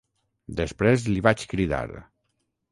Després li vaig cridar: